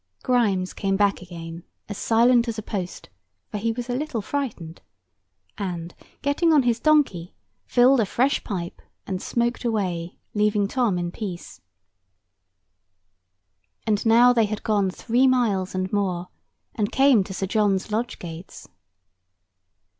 Grimes came back again, as silent as a post, for he was a little frightened; and, getting on his donkey, filled a fresh pipe, and smoked away, leaving Tom in peace. [Picture: Griffin status with shield saying "Amicis"] And now they had gone three miles and more, and came to Sir John's lodge gates.